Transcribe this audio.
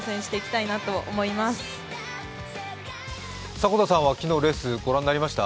迫田さんは昨日のレース、ご覧になりました？